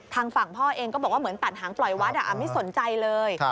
ทางฝั่งพ่อเองก็บอกว่าเหมือนตัดหางปล่อยวัดไม่สนใจเลย